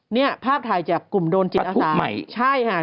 นี่ภาพถ่ายจากกลุ่มโดนจิตอสาร